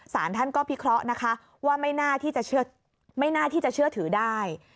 สารท่านก็พิเคราะห์นะคะว่าไม่น่าที่จะเชื่อถือได้